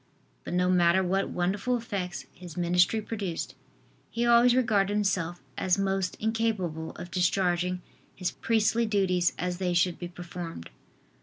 But no matter what wonderful effects his ministry produced, he always regarded himself as most incapable of discharging his priestly duties as they should be performed.